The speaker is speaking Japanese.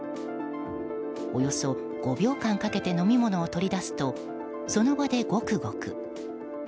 およそ５秒間かけて飲み物を取り出すとその場で、ゴクゴク。